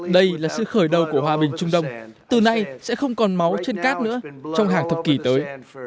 đây là sự khởi đầu của hòa bình trung đông từ nay sẽ không còn máu trên cát nữa trong hàng thập kỷ tới